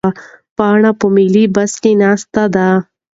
پاڼه په ملي بس کې ناسته ده.